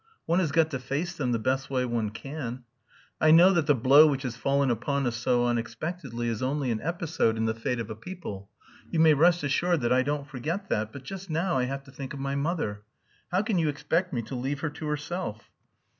One has got to face them the best way one can. I know that the blow which has fallen upon us so unexpectedly is only an episode in the fate of a people. You may rest assured that I don't forget that. But just now I have to think of my mother. How can you expect me to leave her to herself...?"